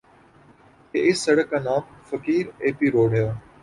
کہ اِس سڑک کا نام فقیر ایپی روڈ ہے